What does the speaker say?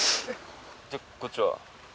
じゃあ、こっちは？